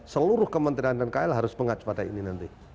seluruh kementerian dan kl harus mengacpetai ini nanti